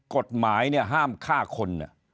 กฎหมายห้ามฆ่าคน